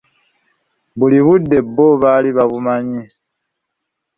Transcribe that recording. Buli budde bbo bali babumanyi.